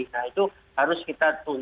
nah itu harus kita tunjukkan